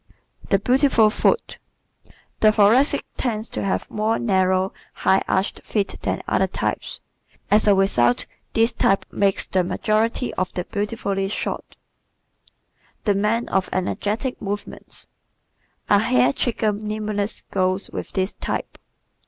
The Beautiful Foot ¶ The Thoracic tends to have more narrow, high arched feet than other types. As a result this type makes the majority of the beautifully shod. The Man of Energetic Movements ¶ A hair trigger nimbleness goes with this type.